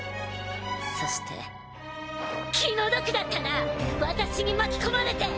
そして気の毒だったな私に巻き込まれて！